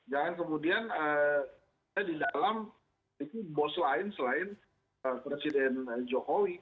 jangan kemudian di dalam itu bos lain selain presiden jokowi